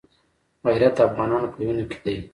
غیرت د افغانانو په وینو کې دی.